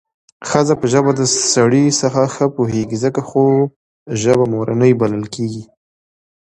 ښځه په ژبه د سړي څخه ښه پوهېږي څکه خو ژبه مورنۍ بلل کېږي